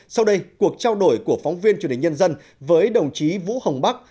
sau đây cuộc trao đổi của phóng viên truyền hình nhân dân với đồng chí vũ hồng bắc